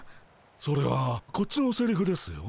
それはこっちのせりふですよ。